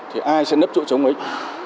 thì ai sẽ nấp chỗ chống ấy